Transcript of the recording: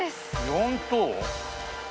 ４等？